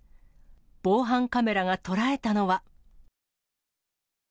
防犯カメラが捉えたのは。